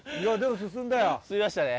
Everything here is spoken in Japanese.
進みましたね。